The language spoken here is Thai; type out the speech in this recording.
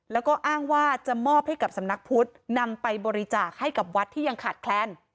แล้วก็อ้างว่าจะมอบให้กับสำนักพุทธนำไปบริจาคให้กับวัดที่ยังขาดแคลน